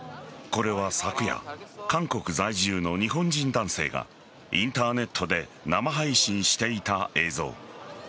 これは昨夜、韓国在住の日本人男性がインターネットで生配信していた映像。